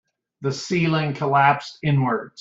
The ceiling collapsed inwards.